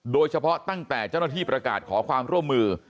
ตั้งแต่เจ้าหน้าที่ประกาศขอความร่วมมือ